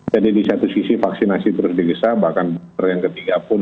jadi di satu sisi vaksinasi terus digesah bahkan dokter yang ketiga pun